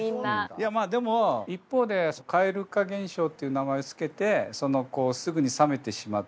いやまあでも一方で蛙化現象っていう名前を付けてそのすぐに冷めてしまう